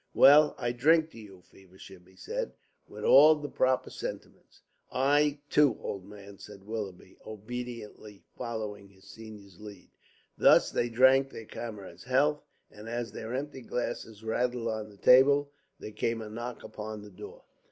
"Well, I drink to you, Feversham," he said, "with all the proper sentiments." "I too, old man," said Willoughby, obediently following his senior's lead. Thus they drank their comrade's health, and as their empty glasses rattled on the table, there came a knock upon the door.